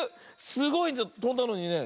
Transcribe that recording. すごいとんだのにね。